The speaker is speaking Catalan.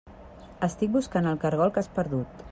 Estic buscant el caragol que has perdut.